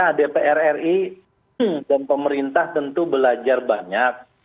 karena dpr ri dan pemerintah tentu belajar banyak